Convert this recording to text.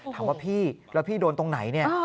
ถามว่าพี่แล้วพี่โดนตรงไหนเนี่ย